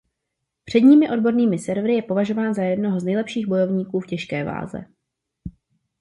Předními odbornými servery je považován za jednoho z nejlepších bojovníků v těžké váze.